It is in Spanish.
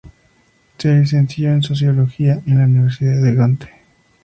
Se licenció en Sociología en la Universidad de Gante.